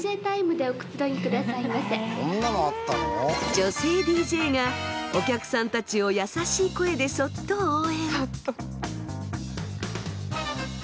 女性ＤＪがお客さんたちを優しい声でそっと応援。